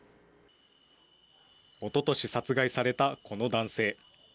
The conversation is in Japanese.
おととし殺害された、この男性。